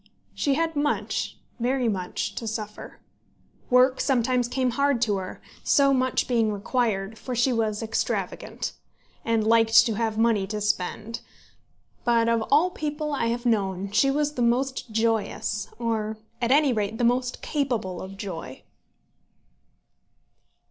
She had much, very much, to suffer. Work sometimes came hard to her, so much being required, for she was extravagant, and liked to have money to spend; but of all people I have known she was the most joyous, or, at any rate, the most capable of joy.